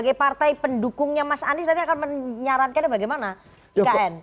sebagai partai pendukungnya mas anies nanti akan menyarankan bagaimana ikn